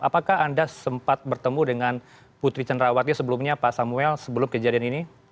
apakah anda sempat bertemu dengan putri cenrawati sebelumnya pak samuel sebelum kejadian ini